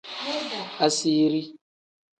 Asiiri.